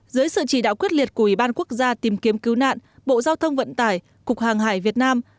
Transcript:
dưới sự chỉ đạo quyết liệt của ủy ban quốc gia tìm kiếm cứu nạn bộ giao thông vận tải cục hàng hải việt nam